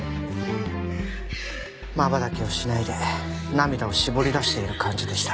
まばたきをしないで涙を搾り出している感じでした。